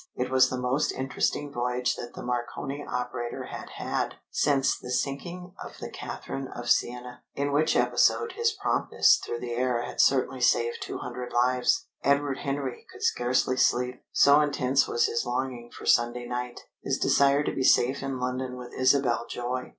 (It was the most interesting voyage that the Marconi operator had had since the sinking of the Catherine of Siena, in which episode his promptness through the air had certainly saved two hundred lives.) Edward Henry could scarcely sleep, so intense was his longing for Sunday night his desire to be safe in London with Isabel Joy!